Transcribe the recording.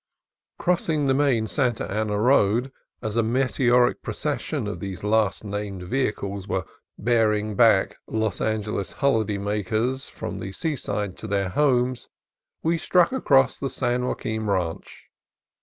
Crossing the main Santa Ana road as a meteoric procession of these last named vehicles were bearing back Los Angeles holiday makers from the seaside to their homes, we struck across the San Joaquin Ranch.